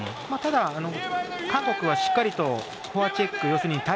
ただ、韓国はしっかりとフォアチェック要するに